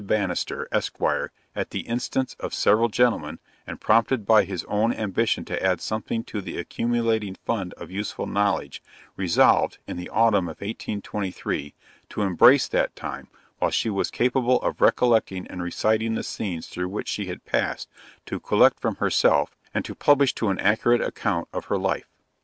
Banister, Esq. at the instance of several gentlemen, and prompted by his own ambition to add something to the accumulating fund of useful knowledge, resolved, in the autumn of 1823, to embrace that time, while she was capable of recollecting and reciting the scenes through which she had passed, to collect from herself, and to publish to an accurate account of her life.